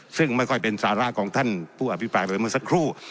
ซึ่งไม่ค่อยเป็นสาระของท่านผู้อภิปรายไปเมื่อสักครู่